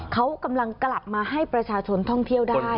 เขากำลังกลับมาให้ประชาชนท่องเที่ยวได้